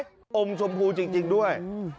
มีอมชมพูมั้ยอมชมพูจริงด้วย